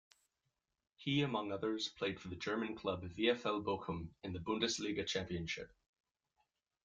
He among others played for the German club VfL Bochum in the Bundesliga championship.